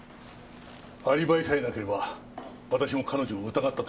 アリバイさえなければ私も彼女を疑ったところだ。